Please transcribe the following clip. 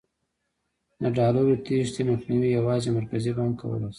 د ډالرو تېښتې مخنیوی یوازې مرکزي بانک کولای شي.